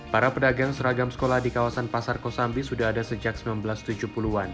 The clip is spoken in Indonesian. para pedagang seragam sekolah di kawasan pasar kosambi sudah ada sejak seribu sembilan ratus tujuh puluh an